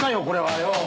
これはよ！